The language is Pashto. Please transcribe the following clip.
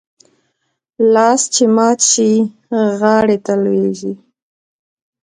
لاس چې مات شي ، غاړي ته لوېږي .